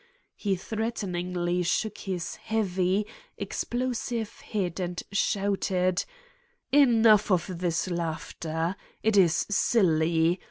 He threateningly shook his heavy, explo sive head and shouted :" Enough of this laughter! It is silly.